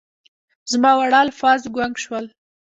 زما واړه الفاظ ګونګ شول